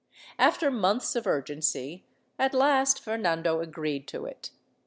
After months of urgency, at last Fernando agreed to it.